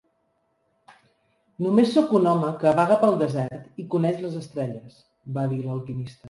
"Només soc un home que vaga pel desert i coneix les estrelles", va dir l'alquimista.